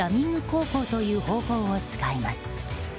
航行という方法を使います。